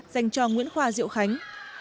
dành cho nguyễn khoa diệu khánh